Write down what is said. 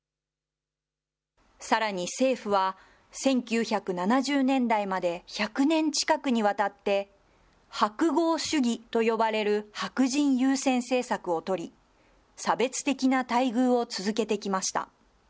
さらに政府は、１９７０年代まで１００年近くにわたって、白豪主義と呼ばれる白人優先政策を取り、差別的な待遇を続けてきました。